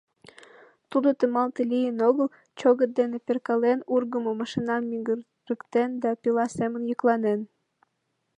Тудо тыматле лийын огыл: чӧгыт дене перкален, ургымо машинам мӱгырыктен да пила семын йӱкланен.